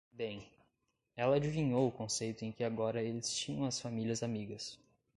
Bem, ela adivinhou o conceito em que agora eles tinham as famílias amigas.